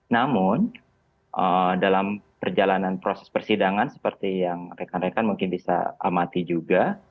namun dalam perjalanan proses persidangan seperti yang rekan rekan mungkin bisa amati juga